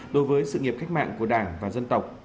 đối với sự nghiệp cách mạng của đảng và dân tộc